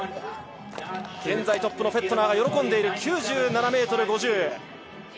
現在トップのフェットナーが喜んでいる。